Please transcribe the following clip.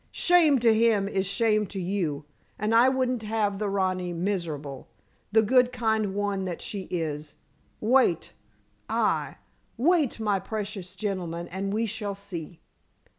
Shame to him is shame to you, and I wouldn't have the rani miserable the good kind one that she is. Wait! aye, wait, my precious gentleman, and we shall see."